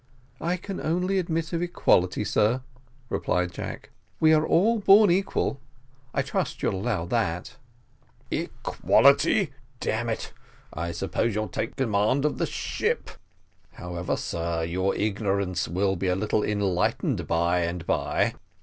"I can only admit of equality, sir," replied Jack; "we are all born equal I trust you'll allow that." "Equality damn it, I suppose you'll take the command of the ship. However, sir, your ignorance will be a little enlightened by and by.